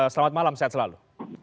selamat malam sehat selalu